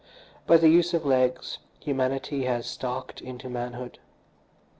By the use of legs humanity has stalked into manhood.